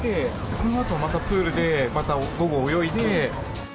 このあとまたプールで午後、泳いで。